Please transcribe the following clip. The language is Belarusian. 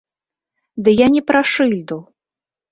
Ды я не пра шыльду.